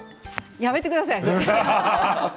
やめてください。